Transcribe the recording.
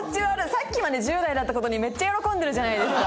さっきまで１０代だった事にめっちゃ喜んでるじゃないですか。